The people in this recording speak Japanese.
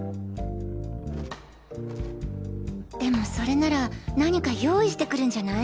でもそれなら何か用意してくるんじゃない？